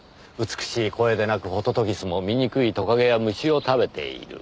美しい声で鳴くホトトギスも醜いトカゲや虫を食べている。